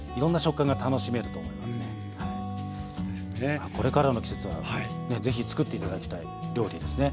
まあこれからの季節はね是非作って頂きたい料理ですね。